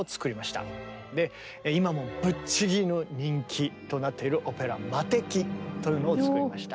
今もぶっちぎりの人気となっているオペラ「魔笛」というのを作りました。